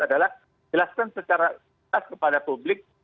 adalah jelaskan secara jelas kepada publik